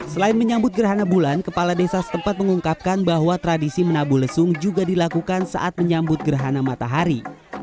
selain menyambut gerhana bulan kepala desa setempat mengungkapkan bahwa tradisi menabuh lesung juga dilakukan saat menyambut gerhana matahari